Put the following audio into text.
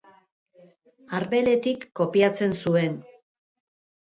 Arbeletik kopiatzen zuen.